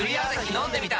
飲んでみた！